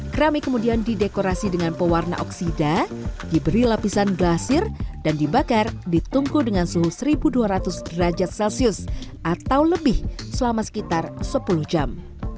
keramik kemudian didekorasi dengan pewarna oksida diberi lapisan glasir dan dibakar ditunggu dengan suhu seribu dua ratus derajat celcius atau lebih selama sekitar sepuluh jam